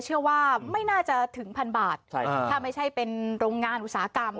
เชื่อว่าไม่น่าจะถึงพันบาทถ้าไม่ใช่เป็นโรงงานอุตสาหกรรม